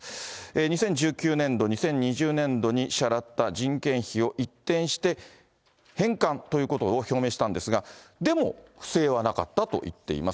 ２０１９年度、２０２０年度に支払った人件費を一転して、返還ということを表明したんですが、でも、不正はなかったと言っています。